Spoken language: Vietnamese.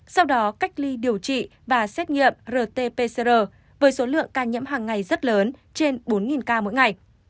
sau đó cách ly điều trị và xét nghiệm rt pcr với số lượng ca nhiễm hàng ngày rất lớn trên bốn ca mỗi ngày